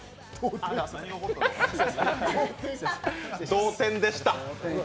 同点でした。